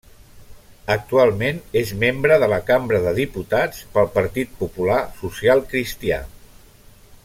Actualment és membre de la Cambra de Diputats pel Partit Popular Social Cristià.